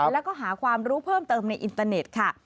แล้วก็หาความรู้เพิ่มเติมในอินเตอร์เน็ตค่ะ